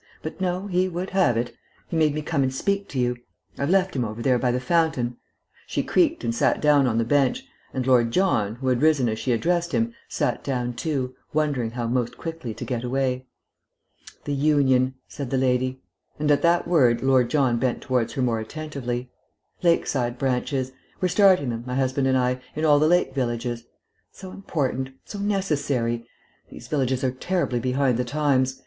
But no, he would have it. He made me come and speak to you. I've left him over there by the fountain." She creaked and sat down on the bench, and Lord John, who had risen as she addressed him, sat down too, wondering how most quickly to get away. "The Union," said the lady; and at that word Lord John bent towards her more attentively. "Lakeside branches. We're starting them, my husband and I, in all the lake villages. So important; so necessary. These villages are terribly behind the times.